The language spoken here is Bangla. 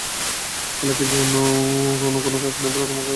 এলাকায় অন্য কোনো কাজ নেই বলে তামাকখেতে তাদের কাজ করতে হচ্ছে।